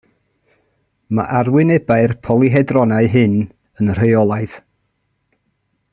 Mae arwynebau'r polyhedronau hyn yn rheolaidd.